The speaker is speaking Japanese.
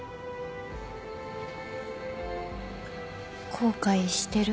後悔してる？